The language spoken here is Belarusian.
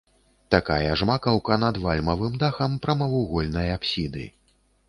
Такая ж макаўка над вальмавым дахам прамавугольнай апсіды.